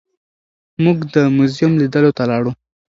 موږ د موزیم لیدلو ته لاړو.